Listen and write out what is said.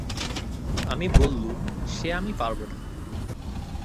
আমি বললুম, সে আমি পারব না।